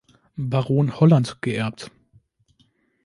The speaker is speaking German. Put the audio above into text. Baron Holand geerbt.